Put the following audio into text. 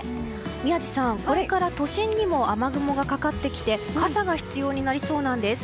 宮司さん、これから都心にも雨雲がかかってきて傘が必要になりそうなんです。